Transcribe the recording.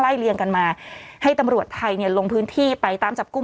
เลี่ยงกันมาให้ตำรวจไทยเนี่ยลงพื้นที่ไปตามจับกุ